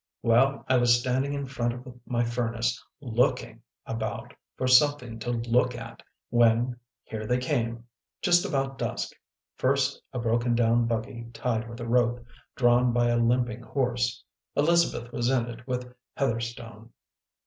Well, I was standing in front of my furnace, looking about for something to look at, when, here they came, just about dusk ! First a broken down buggy tied with rope, drawn by a limping horse. Elizabeth was in it with Heatherstone.